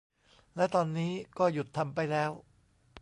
และตอนนี้ก็หยุดทำไปแล้ว